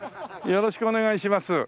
よろしくお願いします。